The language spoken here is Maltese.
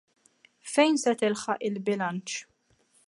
Fejn se tilħaq il-bilanċ?